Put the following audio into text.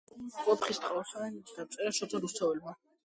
ვეფხისტყაოსანი დაწერა შოთა რუსთაველმა